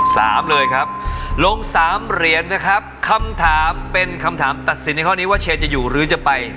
สามเลยครับลงสามเหรียญนะครับคำถามเป็นคำถามตัดสินในข้อนี้ว่าเชนจะอยู่หรือจะไป